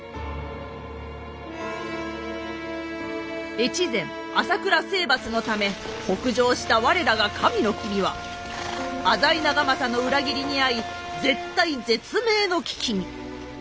越前朝倉征伐のため北上した我らが神の君は浅井長政の裏切りに遭い絶体絶命の危機に。